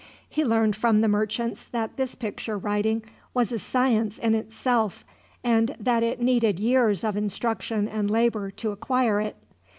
He learned from the merchants that this picture writing was a science in itself, and that it needed years of instruction and labor to acquire it.